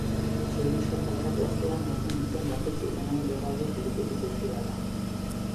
Sei disko kaleratu ostean ohartu nintzen batzuk zuzenean jo gabe gelditu zitzaizkidala.